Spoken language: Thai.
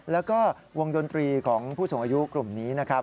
แล้วก็วงดนตรีของผู้สูงอายุกลุ่มนี้นะครับ